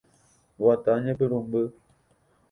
Guata Ñepyrũmby.